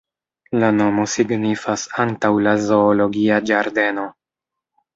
La nomo signifas "antaŭ la zoologia ĝardeno".